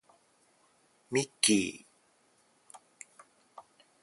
ミッキー